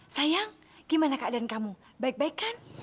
sayang gimana keadaan kamu baik baik kan